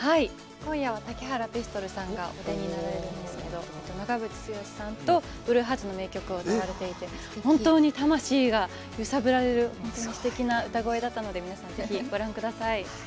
今夜は竹原ピストルさんがお出になられるんですけど長渕剛さんとＢＬＵＥＨＥＡＲＴＳを歌われていて本当に魂が揺さぶられる歌声でしたので皆さん、ぜひご覧ください。